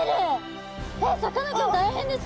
えっさかなクン大変です。